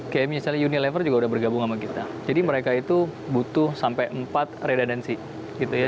kayak misalnya unilever juga udah bergabung sama kita jadi mereka itu butuh sampai empat redudensi gitu ya